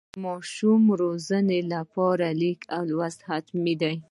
د ماشوم روزنې لپاره لیک او لوست حتمي ده.